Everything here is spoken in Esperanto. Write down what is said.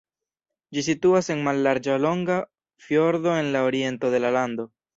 Ĝi situas en mallarĝa longa fjordo en la oriento de la lando.